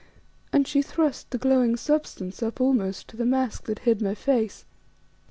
And she thrust the glowing substance up almost to the mask that hid my face.